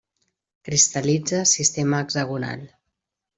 Cristal·litza sistema hexagonal.